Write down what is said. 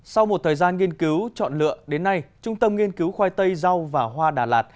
sau một thời gian nghiên cứu chọn lựa đến nay trung tâm nghiên cứu khoai tây rau và hoa đà lạt